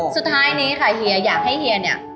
สุดท้ายนี้ค่ะเฮียอยากให้เฮียเนี่ย